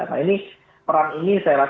nah ini perang ini saya rasa tidak terlalu jelas